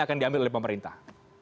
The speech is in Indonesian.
akan diambil oleh pemerintah